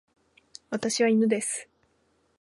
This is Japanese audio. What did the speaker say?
私は犬です。